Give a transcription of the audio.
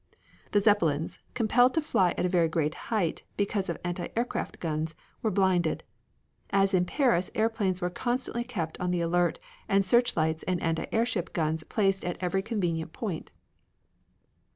The Zeppelins, compelled to fly at a very great height, because of anti aircraft guns, were blinded. As in Paris airplanes were constantly kept on the alert and searchlights and anti airship guns placed at every convenient point.